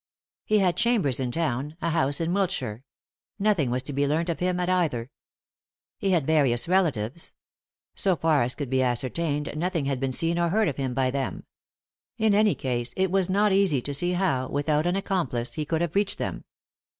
He had chambers in town, a house in Wiltshire ; nothing was to be learnt of him at either. He had various relatives; so far as could be ascertained nothing had been seen or heard of him by them — in any case it was not easy to see how, without an accomplice, he could have reached them.